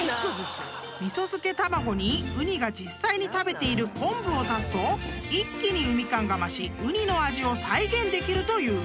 ［みそ漬け卵にウニが実際に食べている昆布を足すと一気に海感が増しウニの味を再現できるという］